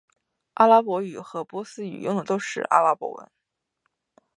阿拉伯语和波斯语用的都是阿拉伯文。